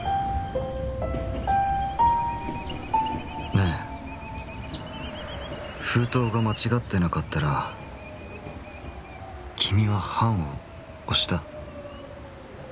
ねぇ封筒が間違ってなかったら君は判をおした？